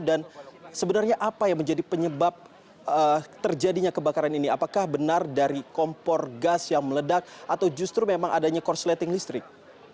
dan sebenarnya apa yang menjadi penyebab terjadinya kebakaran ini apakah benar dari kompor gas yang meledak atau justru memang adanya korsleting listrik